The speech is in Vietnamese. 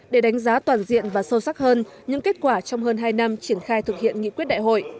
để đánh giá toàn diện và sâu sắc hơn những kết quả trong hơn hai năm triển khai thực hiện nghị quyết đại hội